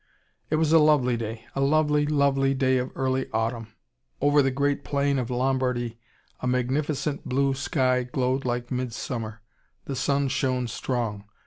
It was a lovely day, a lovely, lovely day of early autumn. Over the great plain of Lombardy a magnificent blue sky glowed like mid summer, the sun shone strong.